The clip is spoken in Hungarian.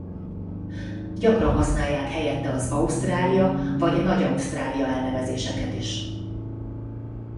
Gyakran használják helyette az Ausztrália vagy Nagy-Ausztrália elnevezéseket is.